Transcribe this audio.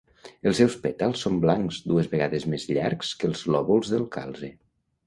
Els seus pètals són blancs dues vegades més llargs que els lòbuls del calze.